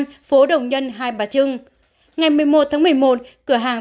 phố đồng nhân hai bà trưng ngày một mươi một tháng một mươi một